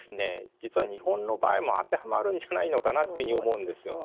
実は日本の場合も当てはまるんじゃないのかなというふうに思うんですよね。